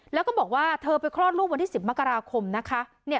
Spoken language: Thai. แล้วก็บอกว่าเธอไปคลอดลูกวันที่๑๐มกราคมนะคะ